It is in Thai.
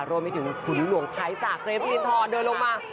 รวมไปถึงคุณหลวงไทซ่าเกรฟลินทรเดินลงมา